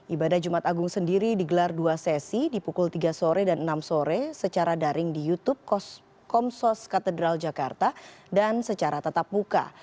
ibadah jumat agung sendiri digelar dua sesi di pukul tiga sore dan enam sore secara daring di youtube komsos katedral jakarta dan secara tatap muka